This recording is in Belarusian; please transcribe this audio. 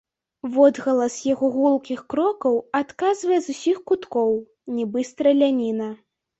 Водгалас яго гулкіх крокаў адказвае з усіх куткоў, нібы страляніна.